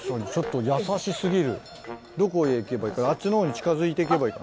どこへ行けばあっちの方に近づいていけばいい？